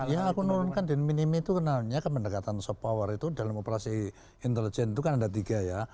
ya aku menurunkan dan minim itu kenalnya ke pendekatan soft power itu dalam operasi intelijen itu kan ada tiga ya